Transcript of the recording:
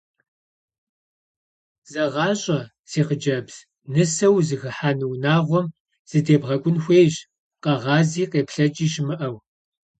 Зэгъащӏэ си хъыджэбз: нысэу узыхыхьэну унагъуэм задебгъэкӏун хуейщ, къэгъази къеплъэкӏи щымыӏэу.